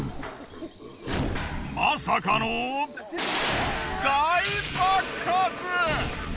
まさかの大爆発！